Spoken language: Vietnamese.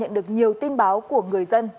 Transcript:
nhận được nhiều tin báo của người dân